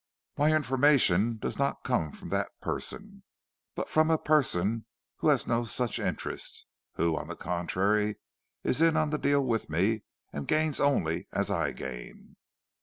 "My information does not come from that person, but from a person who has no such interest—who, on the contrary, is in on the deal with me, and gains only as I gain."